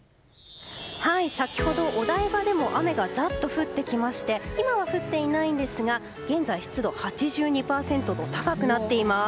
はい、先ほどお台場でも雨がザッと降ってきまして今は降っていないんですが現在、湿度は８２％と高くなっています。